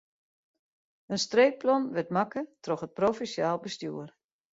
In streekplan wurdt makke troch it provinsjaal bestjoer.